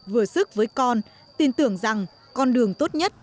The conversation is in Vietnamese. vừa sức với con tin tưởng rằng con đường tốt nhất